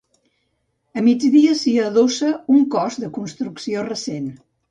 A migdia s'hi adossa un cos de construcció recent.